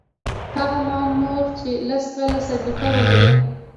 هغه مامور چې لس کاله سابقه ولري.